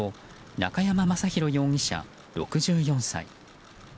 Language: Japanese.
中山正弘容疑者、６４歳。